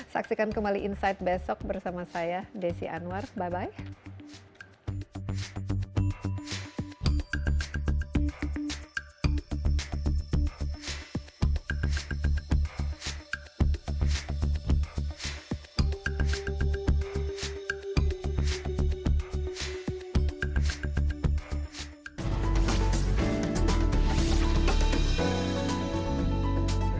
saksikan kembali insight besok bersama saya desy anwar bye bye